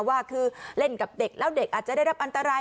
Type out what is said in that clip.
ว่าคือเล่นกับเด็กแล้วเด็กอาจจะได้รับอันตราย